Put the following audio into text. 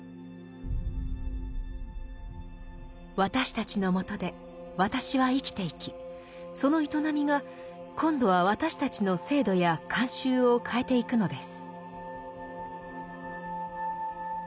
私たちのもとで私は生きていきその営みが今度は私たちの制度や慣習を変えていくのです。